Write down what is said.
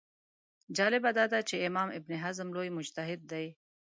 جالبه دا ده چې امام ابن حزم لوی مجتهد دی